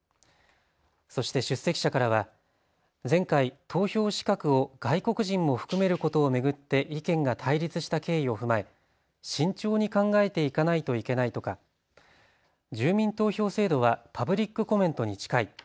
そして出席者からは前回投票資格を外国人も含めることを巡って意見が対立した経緯を踏まえ、慎重に考えていかないといけないとか住民投票制度はパブリックコメントに近い。